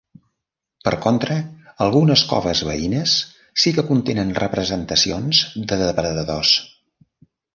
Per contra, algunes coves veïnes sí que contenen representacions de depredadors.